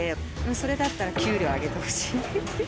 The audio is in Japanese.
それだったら給料上げてほしい。